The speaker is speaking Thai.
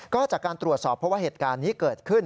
ก็จากการตรวจสอบเพราะว่าเหตุการณ์นี้เกิดขึ้น